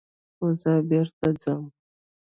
خو زه بېرته ځم.